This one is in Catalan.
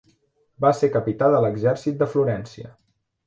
Va ser capità de l'exèrcit de Florència.